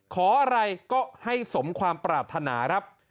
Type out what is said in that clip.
ขออะไรก็ให้สมความปรารถนาครับ